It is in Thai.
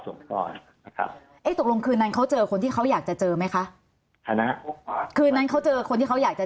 ใช่ก็คือเพื่อก็อยากจะเจอเขาเจอใช่มั้ยคะ